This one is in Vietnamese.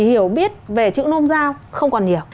hiểu biết về chữ nôn giao không còn hiểu